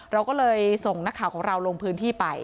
เราก็เลยส่งนักข่าวของเราลงพื้นที่ไป